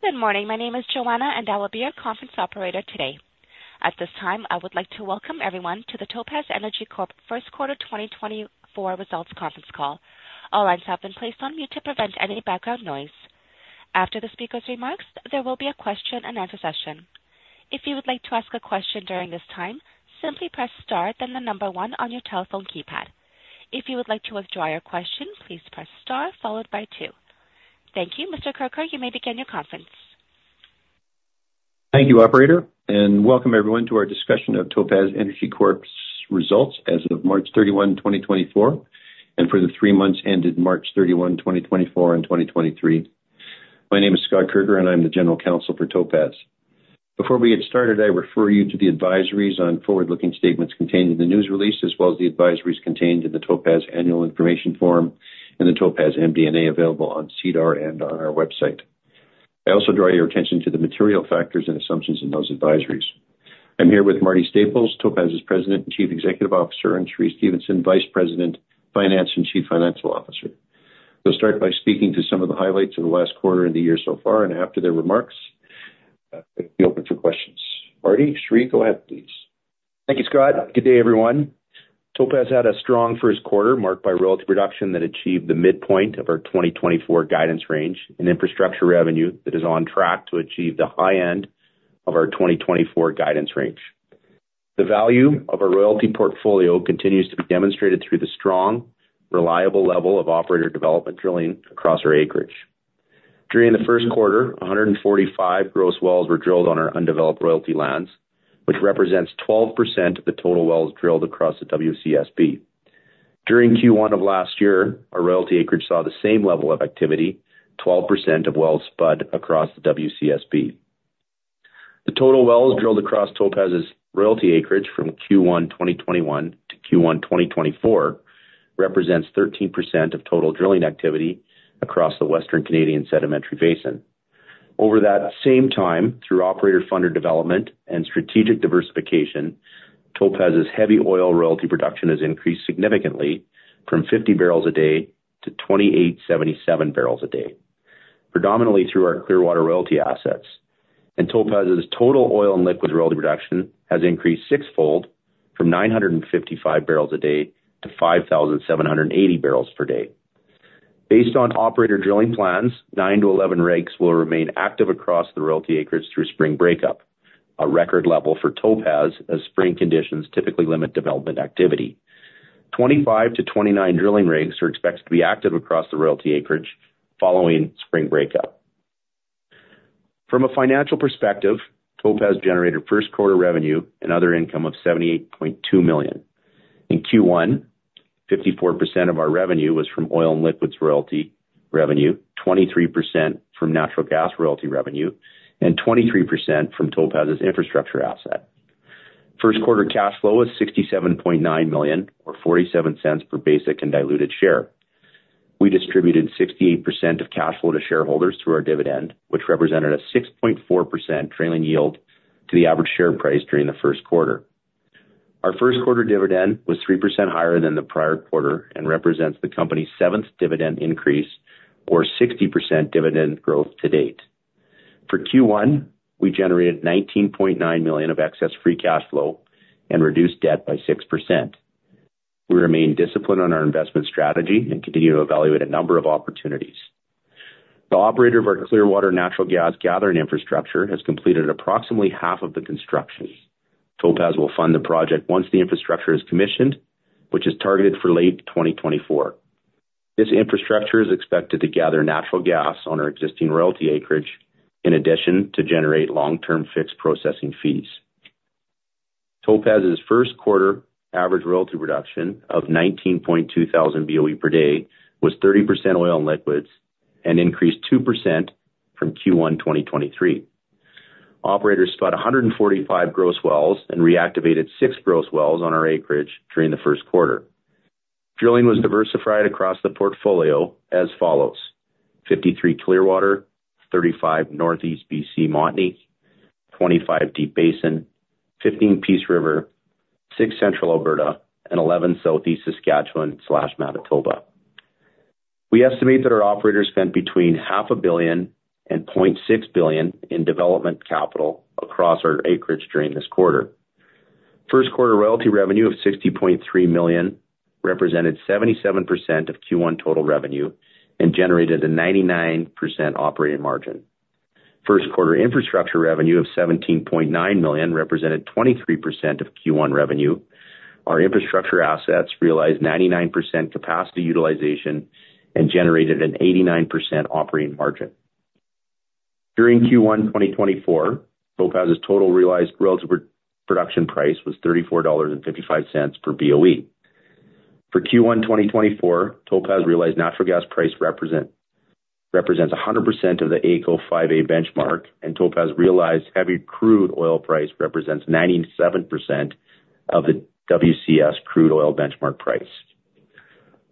Good morning. My name is Joanna, and I will be your conference operator today. At this time, I would like to welcome everyone to the Topaz Energy Corp first quarter 2024 results conference call. All lines have been placed on mute to prevent any background noise. After the speaker's remarks, there will be a question-and-answer session. If you would like to ask a question during this time, simply press star, then the number one on your telephone keypad. If you would like to withdraw your question, please press star followed by two. Thank you. Mr. Kirker, you may begin your conference. Thank you, operator, and welcome everyone to our discussion of Topaz Energy Corp's results as of March 31, 2024, and for the three months ended March 31, 2024, and 2023. My name is Scott Kirker, and I'm the General Counsel for Topaz. Before we get started, I refer you to the advisories on forward-looking statements contained in the news release, as well as the advisories contained in the Topaz annual information form and the Topaz MD&A available on SEDAR+ and on our website. I also draw your attention to the material factors and assumptions in those advisories. I'm here with Marty Staples, Topaz's President and Chief Executive Officer, and Cheree Stephenson, Vice President, Finance, and Chief Financial Officer. We'll start by speaking to some of the highlights of the last quarter and the year so far, and after their remarks, we'll open for questions. Marty, Cheree, go ahead, please. Thank you, Scott. Good day, everyone. Topaz had a strong first quarter marked by royalty production that achieved the midpoint of our 2024 guidance range and infrastructure revenue that is on track to achieve the high end of our 2024 guidance range. The value of our royalty portfolio continues to be demonstrated through the strong, reliable level of operator development drilling across our acreage. During the first quarter, 145 gross wells were drilled on our undeveloped royalty lands, which represents 12% of the total wells drilled across the WCSB. During Q1 of last year, our royalty acreage saw the same level of activity, 12% of wells spud across the WCSB. The total wells drilled across Topaz's royalty acreage from Q1 2021-Q1 2024 represents 13% of total drilling activity across the Western Canadian Sedimentary Basin. Over that same time, through operator-funded development and strategic diversification, Topaz's heavy oil royalty production has increased significantly from 50 barrels a day to 2,877 barrels a day, predominantly through our Clearwater royalty assets. Topaz's total oil and liquid royalty production has increased sixfold from 955 barrels a day to 5,780 barrels per day. Based on operator drilling plans, 9-11 rigs will remain active across the royalty acreage through spring breakup, a record level for Topaz as spring conditions typically limit development activity. 25-29 drilling rigs are expected to be active across the royalty acreage following spring breakup. From a financial perspective, Topaz generated first quarter revenue and other income of 78.2 million. In Q1, 54% of our revenue was from oil and liquids royalty revenue, 23% from natural gas royalty revenue, and 23% from Topaz's infrastructure asset. First quarter cash flow was 67.9 million or 0.47 per basic and diluted share. We distributed 68% of cash flow to shareholders through our dividend, which represented a 6.4% trailing yield to the average share price during the first quarter. Our first quarter dividend was 3% higher than the prior quarter and represents the company's seventh dividend increase or 60% dividend growth to date. For Q1, we generated 19.9 million of excess free cash flow and reduced debt by 6%. We remain disciplined on our investment strategy and continue to evaluate a number of opportunities. The operator of our Clearwater natural gas gathering infrastructure has completed approximately half of the construction. Topaz will fund the project once the infrastructure is commissioned, which is targeted for late 2024. This infrastructure is expected to gather natural gas on our existing royalty acreage in addition to generate long-term fixed processing fees. Topaz's first quarter average royalty production of 19,200 BOE per day was 30% oil and liquids and increased 2% from Q1 2023. Operators spud 145 gross wells and reactivated 6 gross wells on our acreage during the first quarter. Drilling was diversified across the portfolio as follows: 53 Clearwater, 35 Northeast BC Montney, 25 Deep Basin, 15 Peace River, 6 Central Alberta, and 11 Southeast Saskatchewan/Manitoba. We estimate that our operators spent between 0.5 billion and 0.6 billion in development capital across our acreage during this quarter. First quarter royalty revenue of 60.3 million represented 77% of Q1 total revenue and generated a 99% operating margin. First quarter infrastructure revenue of 17.9 million represented 23% of Q1 revenue. Our infrastructure assets realized 99% capacity utilization and generated an 89% operating margin. During Q1 2024, Topaz's total realized royalty production price was 34.55 dollars per BOE. For Q1 2024, Topaz realized natural gas price represents 100% of the AECO 5A benchmark, and Topaz realized heavy crude oil price represents 97% of the WCS crude oil benchmark price.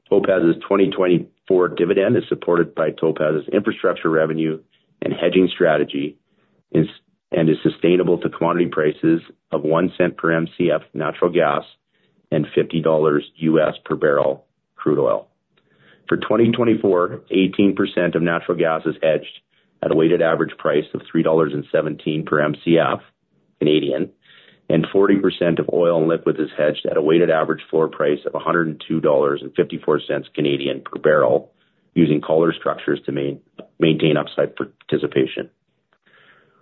Topaz's 2024 dividend is supported by Topaz's infrastructure revenue and hedging strategy and is sustainable to commodity prices of 0.01 per MCF natural gas and $50 per barrel crude oil. For 2024, 18% of natural gas is hedged at a weighted average price of 3.17 dollars per MCF and 40% of oil and liquid is hedged at a weighted average floor price of 102.54 Canadian dollars per barrel using collar structures to maintain upside participation.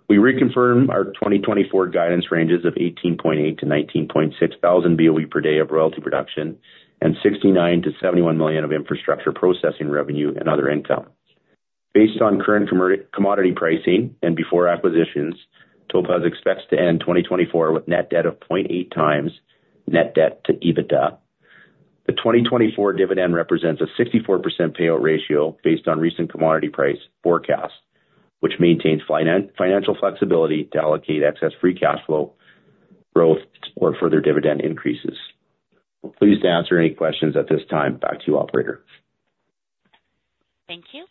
We reconfirm our 2024 guidance ranges of 18.8-19.6 thousand BOE per day of royalty production and 69 million-71 million of infrastructure processing revenue and other income. Based on current commodity pricing and before acquisitions, Topaz expects to end 2024 with net debt of 0.8x net debt to EBITDA. The 2024 dividend represents a 64% payout ratio based on recent commodity price forecast, which maintains financial flexibility to allocate excess free cash flow growth or further dividend increases. Please answer any questions at this time. Back to you, operator. Thank you.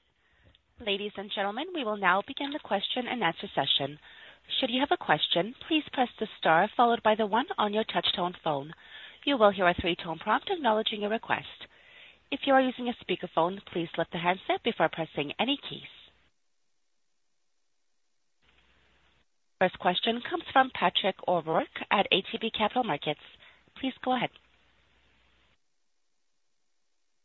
Ladies and gentlemen, we will now begin the question-and-answer session. Should you have a question, please press the star followed by the one on your touch-tone phone. You will hear a three-tone prompt acknowledging your request. If you are using a speakerphone, please lift the handset before pressing any keys. First question comes from Patrick O'Rourke at ATB Capital Markets. Please go ahead.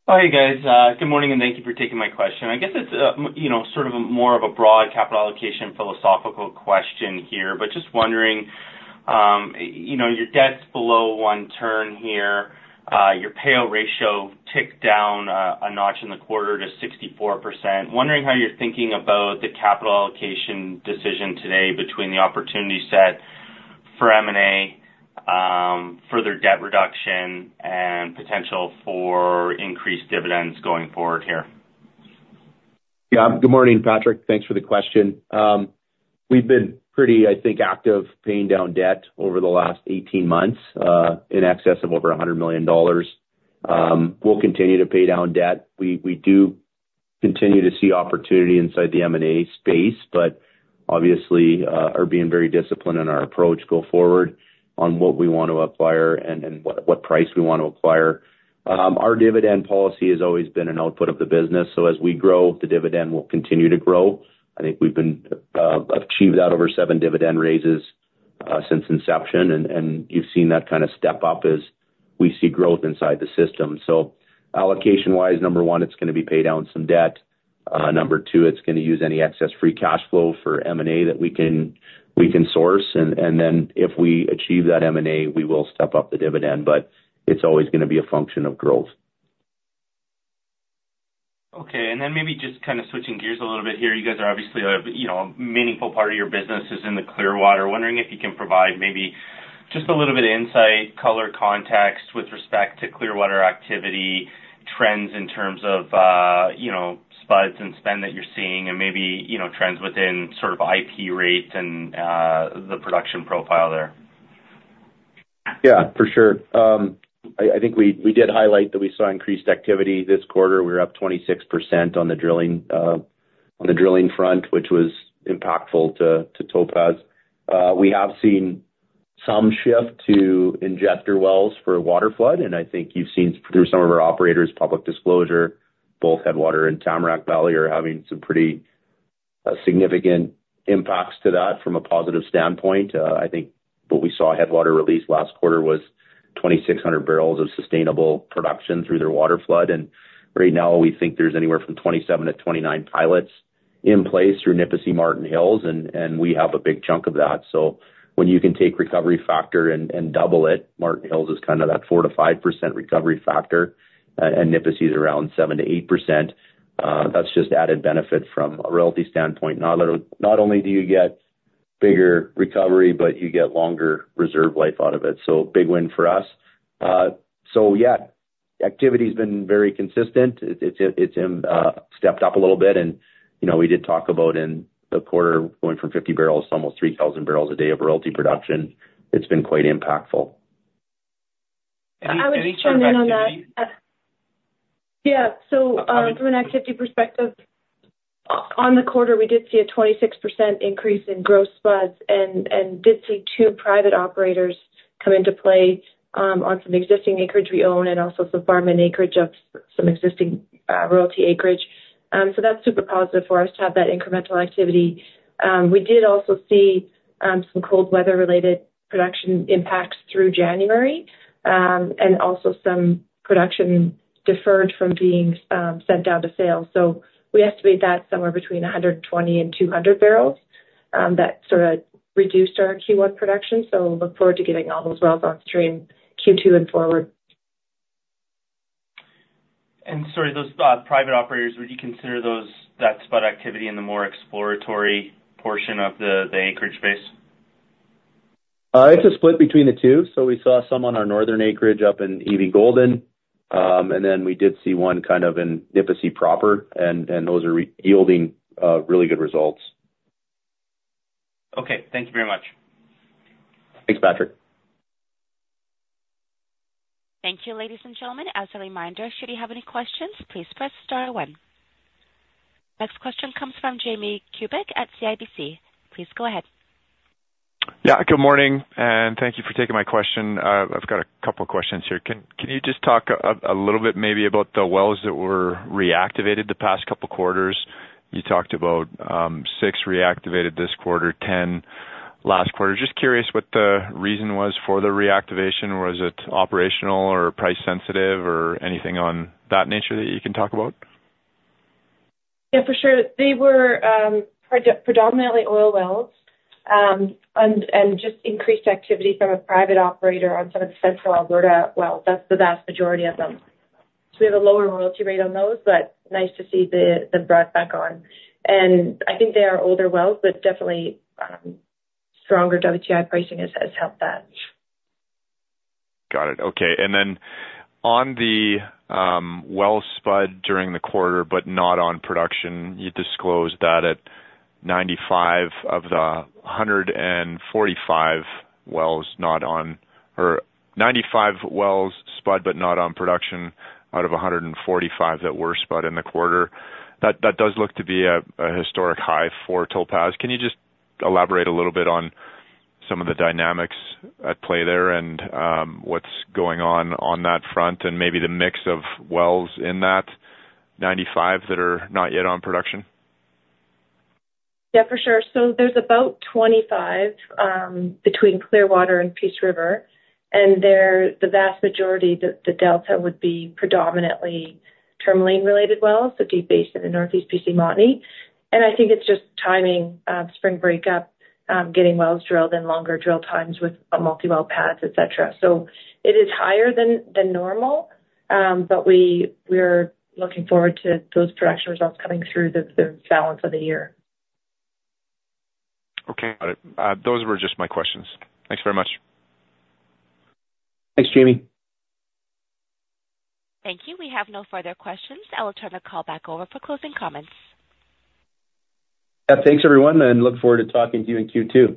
Hi guys. Good morning and thank you for taking my question. I guess it's sort of more of a broad capital allocation philosophical question here, but just wondering, your debt's below one turn here. Your payout ratio ticked down a notch in the quarter to 64%. Wondering how you're thinking about the capital allocation decision today between the opportunity set for M&A, further debt reduction, and potential for increased dividends going forward here? Yeah. Good morning, Patrick. Thanks for the question. We've been pretty, I think, active paying down debt over the last 18 months in excess of $100 million. We'll continue to pay down debt. We do continue to see opportunity inside the M&A space, but obviously are being very disciplined in our approach go forward on what we want to acquire and what price we want to acquire. Our dividend policy has always been an output of the business, so as we grow, the dividend will continue to grow. I think we've achieved that over seven dividend raises since inception, and you've seen that kind of step up as we see growth inside the system. So allocation-wise, Number 1, it's going to be pay down some debt. Number 2, it's going to use any excess free cash flow for M&A that we can source. And then if we achieve that M&A, we will step up the dividend, but it's always going to be a function of growth. Okay. And then maybe just kind of switching gears a little bit here. You guys are obviously a meaningful part of your business is in the Clearwater. Wondering if you can provide maybe just a little bit of insight, color context with respect to Clearwater activity, trends in terms of spuds and spend that you're seeing, and maybe trends within sort of IP rates and the production profile there. Yeah, for sure. I think we did highlight that we saw increased activity this quarter. We were up 26% on the drilling front, which was impactful to Topaz. We have seen some shift to injector wells for water flood, and I think you've seen through some of our operators' public disclosure, both Headwater and Tamarack Valley are having some pretty significant impacts to that from a positive standpoint. I think what we saw Headwater release last quarter was 2,600 barrels of sustainable production through their water flood. And right now, we think there's anywhere from 27-29 pilots in place through Nipisi Marten Hills, and we have a big chunk of that. So when you can take recovery factor and double it, Marten Hills is kind of that 4%-5% recovery factor, and Nipisi's around 7%-8%. That's just added benefit from a royalty standpoint. Not only do you get bigger recovery, but you get longer reserve life out of it. So big win for us. So yeah, activity's been very consistent. It's stepped up a little bit, and we did talk about in the quarter going from 50 barrels to almost 3,000 barrels a day of royalty production. It's been quite impactful. I would chime in on that. Yeah. So from an activity perspective, on the quarter, we did see a 26% increase in gross spuds and did see two private operators come into play on some existing acreage we own and also some farm-in acreage of some existing royalty acreage. So that's super positive for us to have that incremental activity. We did also see some cold weather-related production impacts through January and also some production deferred from being sent down to sale. So we estimate that somewhere between 120 and 200 barrels that sort of reduced our Q1 production. So look forward to getting all those wells on stream Q2 and forward. Sorry, those private operators, would you consider that spud activity in the more exploratory portion of the acreage base? It's a split between the two. So we saw some on our northern acreage up in Evi Golden, and then we did see one kind of in Nipisi proper, and those are yielding really good results. Okay. Thank you very much. Thanks, Patrick. Thank you, ladies and gentlemen. As a reminder, should you have any questions, please press star one. Next question comes from Jamie Kubik at CIBC. Please go ahead. Yeah. Good morning and thank you for taking my question. I've got a couple of questions here. Can you just talk a little bit maybe about the wells that were reactivated the past couple of quarters? You talked about 6 reactivated this quarter, 10 last quarter. Just curious what the reason was for the reactivation. Was it operational or price-sensitive or anything of that nature that you can talk about? Yeah, for sure. They were predominantly oil wells and just increased activity from a private operator on some of the Central Alberta wells. That's the vast majority of them. So we have a lower royalty rate on those, but nice to see the rig back on. And I think they are older wells, but definitely stronger WTI pricing has helped that. Got it. Okay. And then on the wells spud during the quarter but not on production, you disclosed that 95 of the 145 wells not on production or 95 wells spud but not on production out of 145 that were spud in the quarter. That does look to be a historic high for Topaz. Can you just elaborate a little bit on some of the dynamics at play there and what's going on on that front and maybe the mix of wells in that 95 that are not yet on production? Yeah, for sure. So there's about 25 between Clearwater and Peace River, and the vast majority, the delta, would be predominantly Tourmaline-related wells, so Deep Basin and Northeast BC Montney. And I think it's just timing, Spring breakup, getting wells drilled and longer drill times with multiwell pads, etc. So it is higher than normal, but we are looking forward to those production results coming through the balance of the year. Okay. Got it. Those were just my questions. Thanks very much. Thanks, Jamie. Thank you. We have no further questions. I will turn the call back over for closing comments. Yeah. Thanks, everyone, and look forward to talking to you in Q2.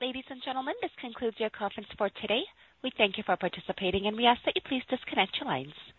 Ladies and gentlemen, this concludes our conference for today. We thank you for participating, and we ask that you please disconnect your lines.